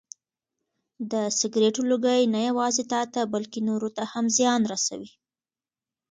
د سګرټو لوګی نه یوازې تاته بلکې نورو ته هم زیان رسوي.